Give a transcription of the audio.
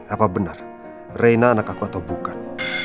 apa benar reina anak aku atau bukan